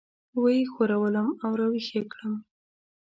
وه یې ښورولم او راويښ یې کړم.